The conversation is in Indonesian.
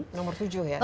nomor tujuh ya